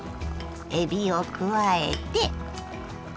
えびを加えて。